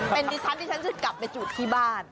เป็นดิสันที่ท่านเชิญกลับไปจุดที่บ้าน